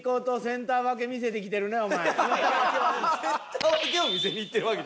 センター分けを見せにいってるわけじゃない。